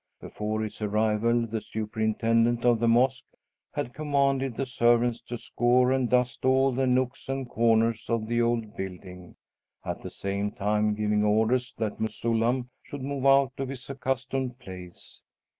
Before his arrival the superintendent of the mosque had commanded the servants to scour and dust all the nooks and corners of the old building, at the same time giving orders that Mesullam should move out of his accustomed place.